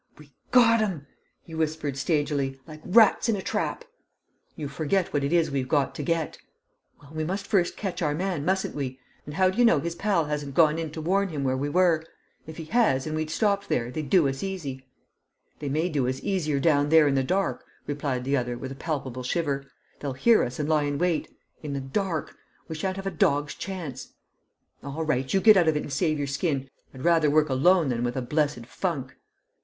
"We got 'em," he whispered, stagily, "like rats in a trap!" "You forget what it is we've got to get." "Well, we must first catch our man, mustn't we? And how d'ye know his pal hasn't gone in to warn him where we were? If he has, and we'd stopped there, they'd do us easy." "They may do us easier down there in the dark," replied the other, with a palpable shiver. "They'll hear us and lie in wait. In the dark! We shan't have a dog's chance." "All right! You get out of it and save your skin. I'd rather work alone than with a blessed funk!"